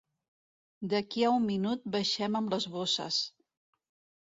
D'aquí a un minut baixem amb les bosses.